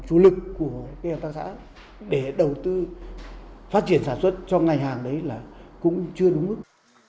chủ lực của cái hợp tác xã để đầu tư phát triển sản xuất cho ngành hàng đấy là cũng chưa đúng mức